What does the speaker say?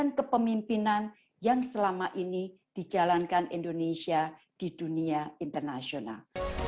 ini adalah kemimpinan yang selama ini dijalankan indonesia di dunia internasional